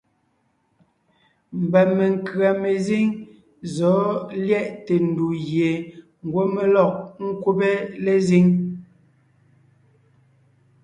Mba menkʉ̀a mezíŋ zɔ̌ lyɛʼte ndù gie ngwɔ́ mé lɔg ńkúbe lezíŋ.